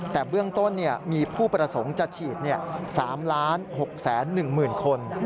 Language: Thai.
แต่เบื้องต้นมีผู้ประสงค์จะฉีด๓๖๑๐๐๐คน